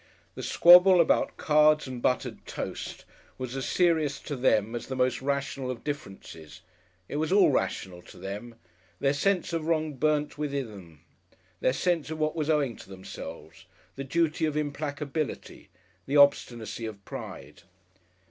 The squabble about cards and buttered toast was as serious to them as the most rational of differences. It was all rational to them. Their sense of wrong burnt within them; their sense of what was owing to themselves, the duty of implacability, the obstinacy of pride.